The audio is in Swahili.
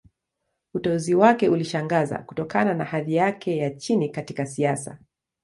Uteuzi wake ulishangaza, kutokana na hadhi yake ya chini katika siasa.